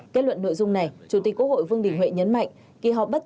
kết luận nội dung này chủ tịch quốc hội vương đình huệ nhấn mạnh